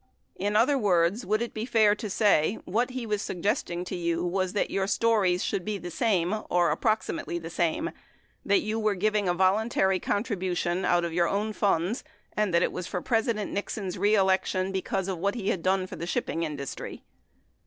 In other words, would it be fair to say, what he was suggesting to you was that your stories be the same, or approximately the same, that you were giving a voluntary contribution out of your own funds and that it was for Presi dent Nixon's reelection because of what he had done for the shipping industry?